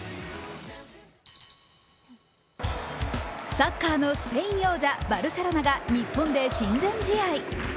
サッカーのスペイン王者・バルセロナが日本で親善試合。